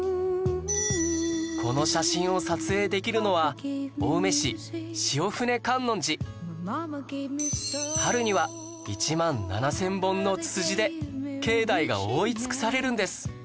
この写真を撮影できるのは春には１万７０００本のツツジで境内が覆い尽くされるんです